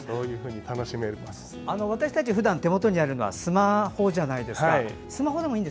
私たちふだん手元にあるのはスマホじゃないですか。